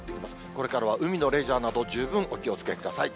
これからは海のレジャーなど、十分お気をつけください。